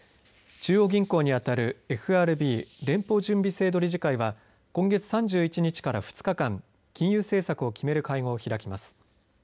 中央銀行に当たるＦＲＢ連邦準備制度理事会は今月３１日から２日間金融政策を決める会合を開きます。